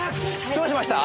どうしました？